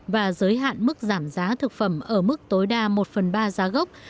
và giới hạn mức giảm giá thực phẩm ở mức tối đa một phần ba giá gốc